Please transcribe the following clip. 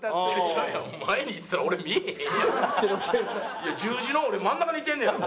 いや十字の俺真ん中にいてんねやろ？